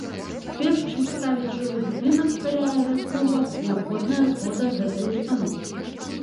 Перш чым ставіць жылы будынак каля аэраклуба, неабходная згода гэтай установы.